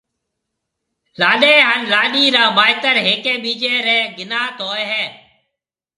لاڏيَ هانَ لاڏيِ را مائيتر هيَڪيَ ٻِيجيَ ريَ گنَيات هوئي هيَ۔